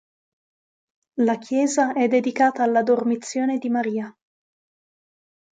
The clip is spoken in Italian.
La chiesa è dedicata alla Dormizione di Maria.